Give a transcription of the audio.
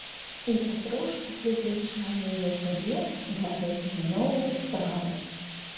І патрошку прызвычаіў я сябе да гэтае новае стравы.